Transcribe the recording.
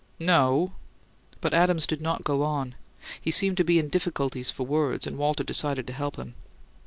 "No." But Adams did not go on; he seemed to be in difficulties for words, and Walter decided to help him.